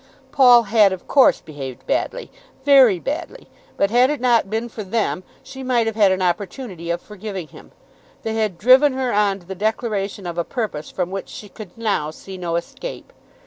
Paul had of course behaved badly, very badly, but had it not been for them she might have had an opportunity of forgiving him. They had driven her on to the declaration of a purpose from which she could now see no escape.